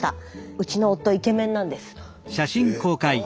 「うちの夫イケメンなんです」。